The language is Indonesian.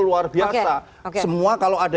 luar biasa semua kalau ada